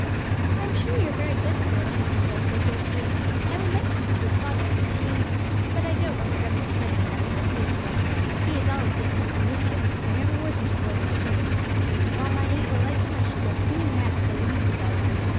"I am sure you are very good, sir," Mrs. Holl said gratefully; "I will mention it to his father, and he But I doubt whether Evan's steady enough for a place yet, he is allus getting into mischief; there never was such a boy for scrapes; if all my eight were like him I should go clean mad afore the week was out.